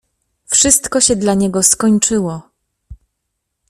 Wszystko się dla niego skończyło!